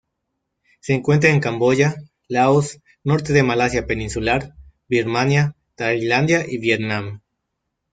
Se encuentra en Camboya, Laos, norte de Malasia Peninsular, Birmania, Tailandia y Vietnam.